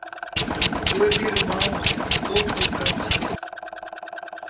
Dois Irmãos do Tocantins